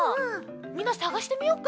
みんなさがしてみよっか。